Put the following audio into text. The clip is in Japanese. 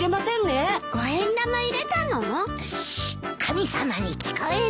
神様に聞こえる。